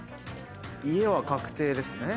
家は確定ですね。